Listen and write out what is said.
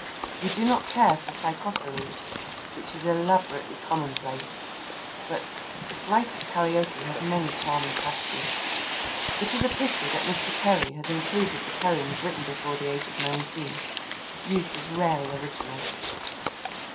We do not care for Psychossolles, which is elaborately commonplace, but The Flight of Calliope has many charming passages. It is a pity that Mr. Kelly has included the poems written before the age of nineteen. Youth is rarely original.